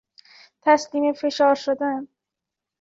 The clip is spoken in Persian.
تسلیم فشار شدن